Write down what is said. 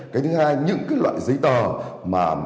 cái thứ hai những loại giấy tờ mà